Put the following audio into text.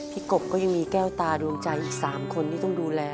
กบก็ยังมีแก้วตาดวงใจอีก๓คนที่ต้องดูแล